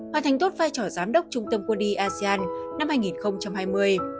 hoàn thành tốt vai trò giám đốc trung tâm quân y asean năm hai nghìn hai mươi